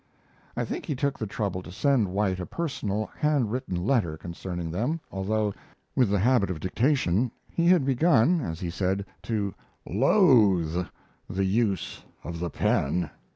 I think he took the trouble to send White a personal, hand written letter concerning them, although, with the habit of dictation, he had begun, as he said, to "loathe the use of the pen."